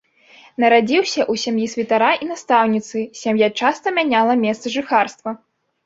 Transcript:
Нарадзіўся ў сям'і святара і настаўніцы, сям'я часта мяняла месцы жыхарства.